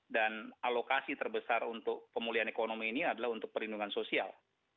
dan alokasi terbesar untuk pemulihan ekonomi ini adalah untuk perlindungan sosial